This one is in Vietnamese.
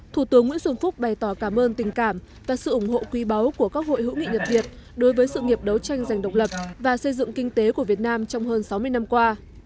thủ tướng nguyễn xuân phúc bày tỏ cảm ơn tình cảm và sự ủng hộ quý báu của các hội hữu nghị nhật việt đối với sự nghiệp đấu tranh giành độc lập và xây dựng kinh tế của việt nam trong hơn sáu mươi năm qua